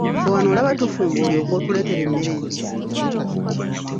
Ffe wano olaba tufumba olyoke otuleetere emmere embisi?